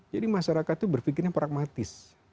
jadi masyarakat itu berpikirnya pragmatis